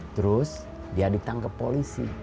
terus dia ditangkap polisi